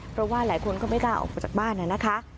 เพราะว่าหลายคนก็ไม่กล้าออกมาจากบ้านนะคะ